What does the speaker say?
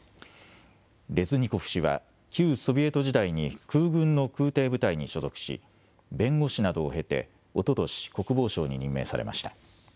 レズニコフ氏は、旧ソビエト時代に空軍の空てい部隊に所属し、弁護士などを経て、おととし国防相に任命されました。